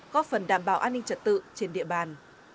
góp phần đảm bảo an ninh trật tự trên địa bàn